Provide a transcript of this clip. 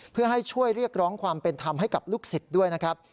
เพื่อให้ช่วยเรียกร้องความเป็นธรรมให้กับลูกศิษย์ด้วยนะครับ